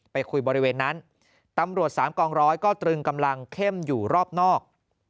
ไปคุยบริเวณนั้นตำรวจสามกองร้อยก็ตรึงกำลังเข้มอยู่รอบนอก